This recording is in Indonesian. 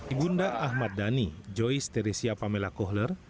ibu bunda ahmad dhani joyce teresia pamela kohler